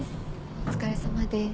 お疲れさまです。